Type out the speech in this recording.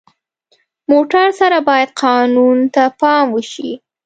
موټر سره باید قانون ته پام وشي.